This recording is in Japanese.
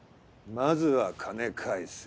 まずは金返せ。